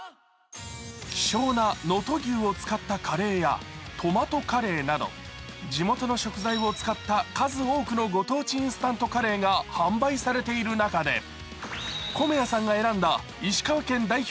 希少な能登牛を使ったカレーやトマトカレーなど地元の食材を使った数多くのご当地インスタントカレーが販売されている中で米谷さんが選んだ石川県代表